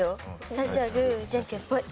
最初はグーじゃんけんぽい。